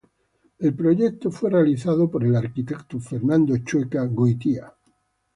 El proyecto fue realizado por el arquitecto Fernando Chueca Goitia.